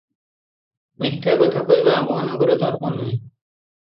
ମିଥ୍ୟା କଥା କହିବା ଆମ୍ଭମାନଙ୍କର ଧର୍ମନୁହେଁ ।